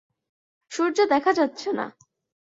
সূর্য দেখা যাচ্ছে না।